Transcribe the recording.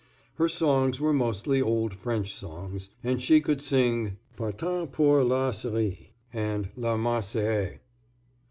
Her songs were mostly old French songs, and she could sing "Partant pour la Syrie" and "La Marseillaise."